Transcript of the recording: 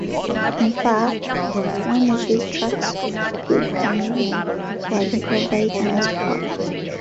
In fact, one of these tracks, "Good Canadian", was improvised on the spot.